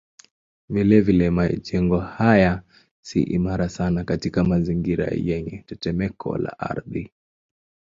Vilevile majengo haya si imara sana katika mazingira yenye tetemeko la ardhi.